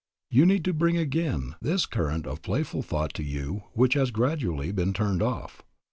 "You need to bring again this current of playful thought to you which has gradually been turned off.